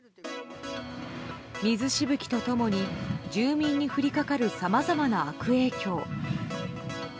水しぶきと共に住民に降りかかるさまざまな悪影響。